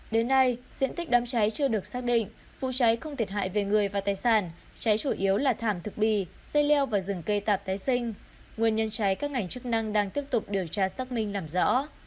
đến nay diện tích đám cháy chưa được xác định vụ cháy không thiệt hại về người và tài sản cháy chủ yếu là thảm thực bì xây leo và rừng cây tạp tái sinh nguyên nhân cháy các ngành chức năng đang tiếp tục điều tra xác minh làm rõ